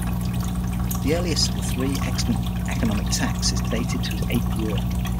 The earliest of three extant economic texts is dated to his eighth year.